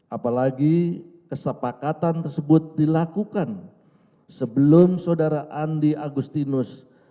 apalagi kesepakatan tersebut dilakukan sebelum saudara andi agustinus